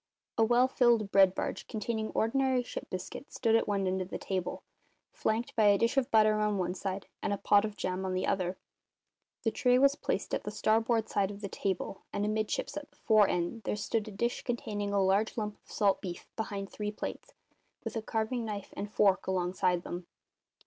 A well filled bread barge, containing ordinary ship biscuit, stood at one end of the table, flanked by a dish of butter on one side and a pot of jam on the other; the tray was placed at the starboard side of the table, and amidships, at the fore end, there stood a dish containing a large lump of salt beef behind three plates, with a carving knife and fork alongside them.